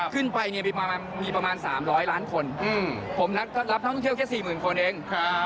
ขึ้นไปเนี่ยมีประมาณ๓๐๐ล้านคนผมรับท่องเที่ยวแค่๔๐๐๐คนเอง